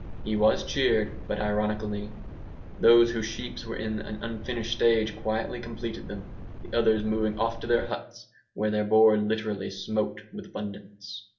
He was cheered, but ironically. Those whose sheep were in an unfinished stage quietly completed them; the others moving off to their huts, where their board literally smoked with abundance.